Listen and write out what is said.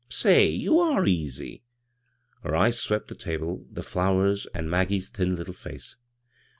Say, you are easy !" Her eyes swept the table, the flow ers, and Maggie's thin little face.